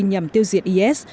nhằm tiêu diệt is